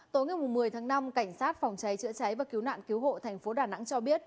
tối ngày một mươi tháng năm cảnh sát phòng cháy chữa cháy và cứu nạn cứu hộ thành phố đà nẵng cho biết